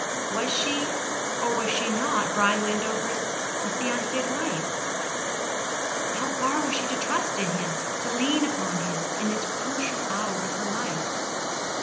Was she or was she not Brian Wendover's affianced wife? How far was she to trust in him, to lean upon him, in this crucial hour of her life?